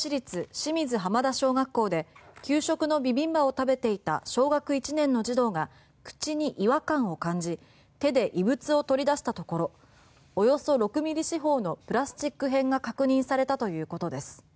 清水浜田小学校で給食のビビンバを食べていた小学１年の児童が口に違和感を感じ手で異物を取り出したところおよそ６ミリ四方のプラスチック片が確認されたということです。